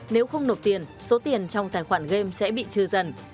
nếu không nộp tiền số tiền trong tài khoản game sẽ bị trừ dần